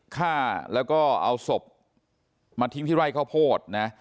ฆ่าแล้วก็เอาศพมาทิ้งที่ไร่ข้าวโพดนะ